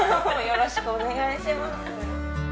よろしくお願いします。